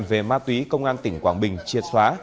về ma túy công an tỉnh quảng bình triệt xóa